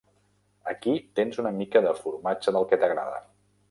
Aquí tens una mica de formatge del que t'agrada.